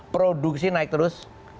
produksi naik terus